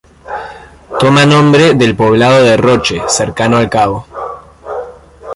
Toma nombre del poblado de Roche, cercano al cabo.